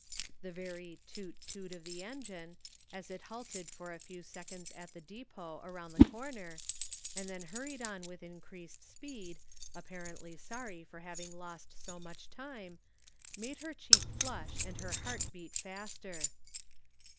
The very "toot toot" of the engine, as it halted for a few seconds at the depot around the corner, and then hurried on with increased speed, apparently sorry for having lost so much time, made her cheek flush and her heart beat faster.